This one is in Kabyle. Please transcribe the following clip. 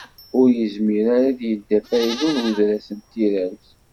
Ur yezmir ara ad d-yeldi afaylu n udras n tirawt.